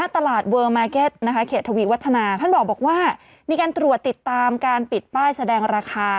ตลาดเวอร์มาร์เก็ตเขตทวีวัฒนาท่านบอกว่ามีการตรวจติดตามการปิดป้ายแสดงราคา